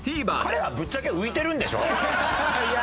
彼はぶっちゃけ浮いてるんでしょ？